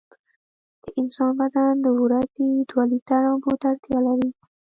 د انسان بدن د ورځې دوه لېټره اوبو ته اړتیا لري.